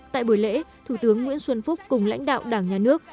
tại buổi lễ thủ tướng nguyễn xuân phúc cùng lãnh đạo đảng nhà nước